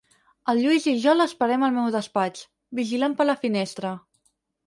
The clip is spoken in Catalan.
El Lluís i jo l'esperem al meu despatx, vigilant per la finestra.